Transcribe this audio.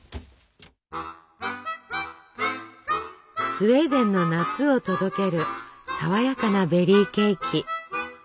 スウェーデンの夏を届ける爽やかなベリーケーキ。